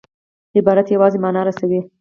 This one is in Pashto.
عبارت یوازي مانا رسوي.